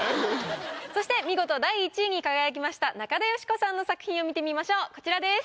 そして見事第１位に輝きました中田喜子さんの作品を見てみましょうこちらです。